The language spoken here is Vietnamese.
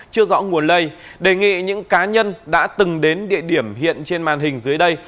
chưa rõ nguồn lây đề nghị những cá nhân đã từng đến địa điểm hiện trên màn hình dưới đây